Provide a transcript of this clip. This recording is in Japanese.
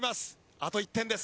あと１点です。